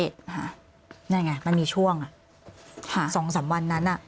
นั่นไงมันมีช่วง๒๓วันนั้น